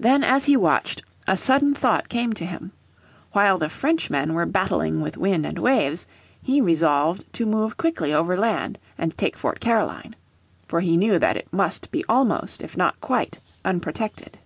Then as he watched a sudden thought came to him. While the Frenchmen were battling with wind and waves he resolved to move quickly over land and take Fort Caroline. For he knew that it must be almost, if not quite, unprotected.